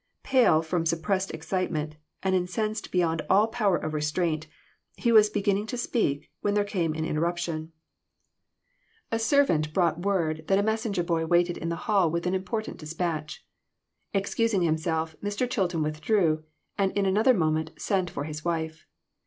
Pale from suppressed excitement, and incensed beyond all power of restraint, he was beginning to speak, when there came an interruption. A servant brought word FANATICISM. 32/ that a messenger boy waited in the hall with an important dispatch. Excusing himself, Mr. Chil ton withdrew, and in another moment sent for his wife.